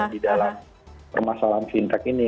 di dalam permasalahan fintech ini